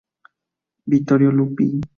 Vittorio Lupi.